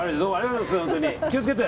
気を付けて！